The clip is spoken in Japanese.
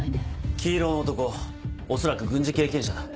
黄色の男恐らく軍事経験者だ。